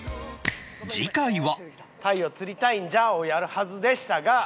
次回は